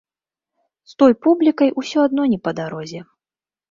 З той публікай ўсё адно не па дарозе.